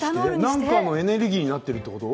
何かのエネルギーになってるってこと？